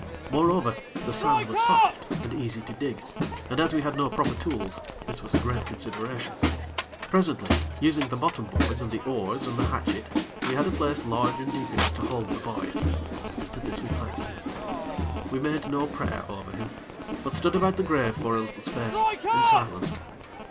Moreover, the sand was soft and easy to dig, and as we had no proper tools, this was a great consideration. Presently, using the bottom boards and the oars and the hatchet, we had a place large and deep enough to hold the boy, and into this we placed him. We made no prayer over him; but stood about the grave for a little space, in silence.